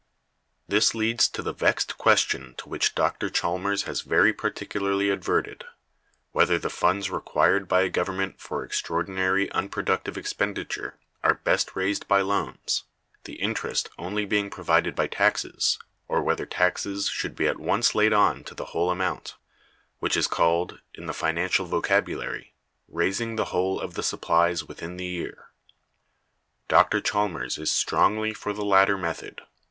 This leads to the vexed question to which Dr. Chalmers has very particularly adverted: whether the funds required by a government for extraordinary unproductive expenditure are best raised by loans, the interest only being provided by taxes, or whether taxes should be at once laid on to the whole amount; which is called, in the financial vocabulary, raising the whole of the supplies within the year. Dr. Chalmers is strongly for the latter method.